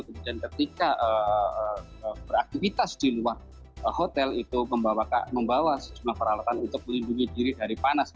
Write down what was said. kemudian ketika beraktivitas di luar hotel itu membawa sejumlah peralatan untuk melindungi diri dari panas